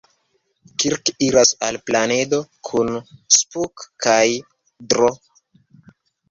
Kirk iras al planedo kun Spock kaj D-ro.